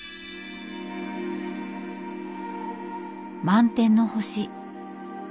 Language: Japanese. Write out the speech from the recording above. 満天の星。